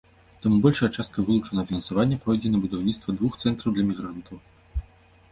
Таму большая частка вылучанага фінансавання пойдзе на будаўніцтва двух цэнтраў для мігрантаў.